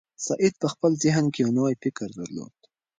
سعید په خپل ذهن کې یو نوی فکر درلود.